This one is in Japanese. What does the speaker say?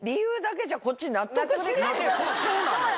そうなのよ！